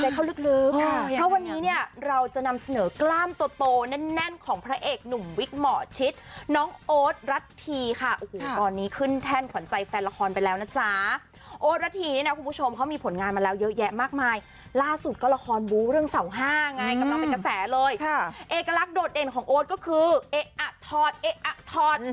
กำลังเป็นกระแสเลยค่ะเอกลักษณ์โดดเด่นของโอ๊ตก็คือเอ๊ะอ่ะทอดเอ๊ะอ่ะทอด